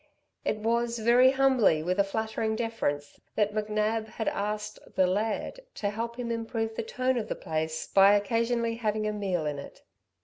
It was very humbly, with a flattering deference, that McNab had asked "the laird" to help him to improve the tone of the place by occasionally having a meal in it.